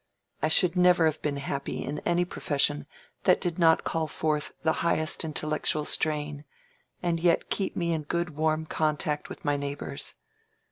I should never have been happy in any profession that did not call forth the highest intellectual strain, and yet keep me in good warm contact with my neighbors.